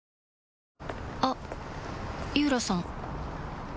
あっ井浦さん